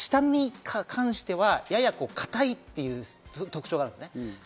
下に関しては固いという特徴があるんです。